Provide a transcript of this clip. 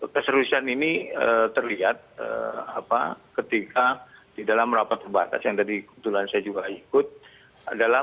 keseriusan ini terlihat ketika di dalam rapat terbatas yang tadi kebetulan saya juga ikut adalah